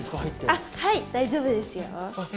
あっはい大丈夫ですよ。